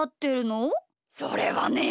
それはね